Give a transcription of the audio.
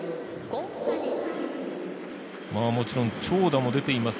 もちろん、長打も出ています。